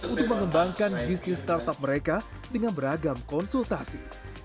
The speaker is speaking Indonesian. untuk mengembangkan bisnis startup mereka dengan beragam konsultasi